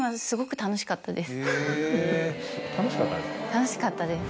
楽しかったです。